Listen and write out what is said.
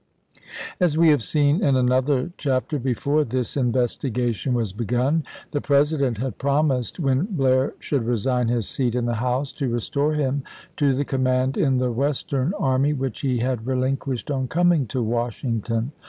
As we have seen in another chapter, before this investigation was begun the President had promised when Blair should resign his seat in the House to restore him to the command in the Western army which he had relinquished on coming to Washington.